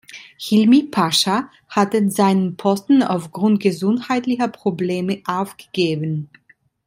Hilmi Pascha hatte seinen Posten aufgrund gesundheitlicher Probleme aufgegeben.